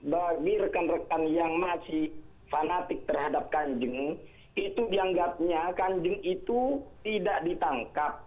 bagi rekan rekan yang masih fanatik terhadap kanjeng itu dianggapnya kanjeng itu tidak ditangkap